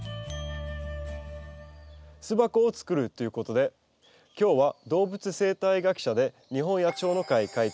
巣箱を作るということで今日は動物生態学者で日本野鳥の会会長